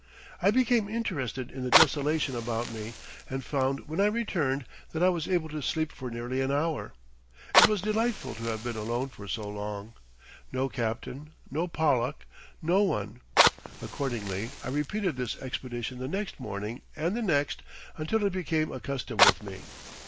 I became interested in the desolation about me, and found when I returned that I was able to sleep for nearly an hour. It was delightful to have been alone for so long,—no captain, no Pollack, no one. Accordingly I repeated this expedition the next morning and the next until it became a custom with me.